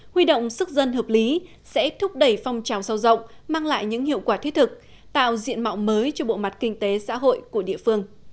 huy động sức dân hợp lý sẽ thúc đẩy phong trào sâu rộng mang lại những hiệu quả thiết thực tạo diện mạo mới cho bộ mặt kinh tế xã hội của địa phương